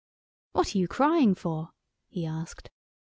"What are you crying for?" he asked.